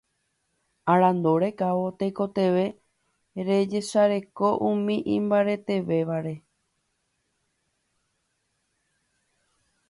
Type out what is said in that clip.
Arandu rekávo tekotevẽ rejesareko umi imbaretévare